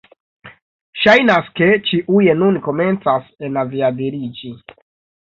Ŝajnas, ke ĉiuj nun komencas enaviadiliĝi